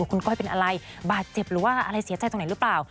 คุณก้อยเป็นอะไรบาดเจ็บหรือว่าอะไรเสียใจตรงไหนหรือเปล่า